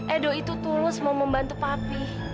edo itu tulus mau membantu papi